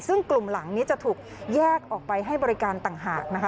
ซึ่งกลุ่มหลังนี้จะถูกแยกออกไปให้บริการต่างหากนะคะ